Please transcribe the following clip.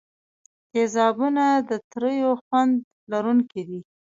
تیزابونه د تریو خوند لرونکي دي.